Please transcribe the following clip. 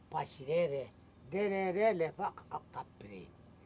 pas nere denere lepa kakak tapri